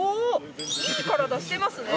いい体してますね。